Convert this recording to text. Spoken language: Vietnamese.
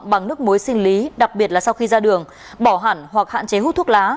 bằng nước muối sinh lý đặc biệt là sau khi ra đường bỏ hẳn hoặc hạn chế hút thuốc lá